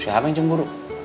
si haram yang cemburu